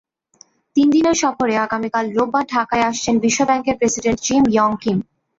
তিন দিনের সফরে আগামীকাল রোববার ঢাকায় আসছেন বিশ্বব্যাংকের প্রেসিডেন্ট জিম ইয়ং কিম।